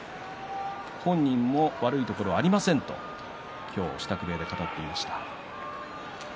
本人も悪いところはありませんと今日、支度部屋で語っていました。